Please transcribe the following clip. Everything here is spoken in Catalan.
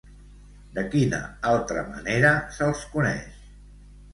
De quina altra manera se'ls coneix?